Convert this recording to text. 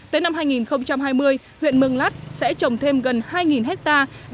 tới năm hai nghìn hai mươi huyện mường lát sẽ trồng thêm gần hai hectare